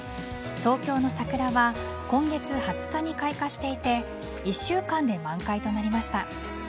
東京の桜は今月２０日に開花していて１週間で満開となりました。